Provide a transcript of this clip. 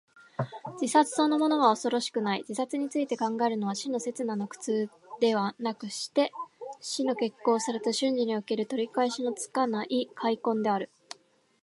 自殺そのものは恐ろしくない。自殺について考えるのは、死の刹那の苦痛ではなくして、死の決行された瞬時における、取り返しのつかない悔恨である。